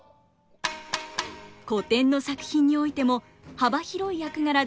古典の作品においても幅広い役柄で大活躍。